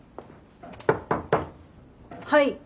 はい。